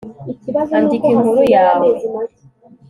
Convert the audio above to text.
andika inkuru yawe